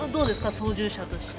操縦者として。